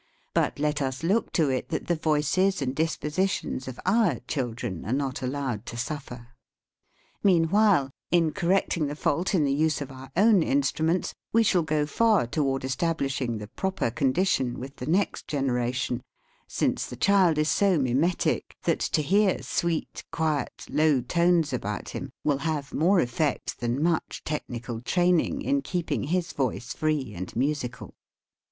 But let us look to it that the voices and dispositions of our chil dren are not allowed to suffer. Meanwhile, in correcting the fault in the use of our own 18 LEARNING TO FREE THE TONE instruments, we shall go far toward estab lishing the proper condition with the next generation, since the child is so mimetic that, to hear sweet, quiet, low tones about him will have more effect than much technical * training in keeping his voice free and mu sical.